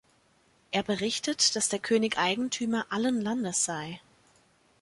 Er berichtet, dass der König Eigentümer allen Landes sei.